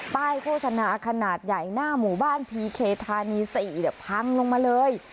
โฆษณาขนาดใหญ่หน้าหมู่บ้านพีเคธานี๔พังลงมาเลย